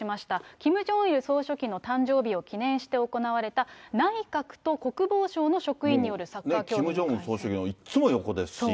キム・ジョンイル総書記の誕生日を記念して行われた内閣と国防省キム・ジョンウン総書記のいつも横ですし。